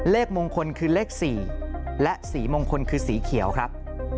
เลขมงคลคือเลข๔และสีมงคลคือสีเขียวครับ